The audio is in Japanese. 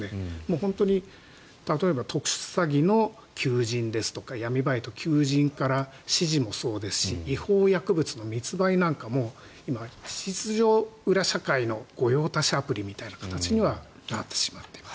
本当に例えば特殊詐欺の求人ですとか闇バイトの求人から指示もそうですし違法薬物の密売なんかも今、事実上、裏社会の御用達アプリみたいになってしまっています。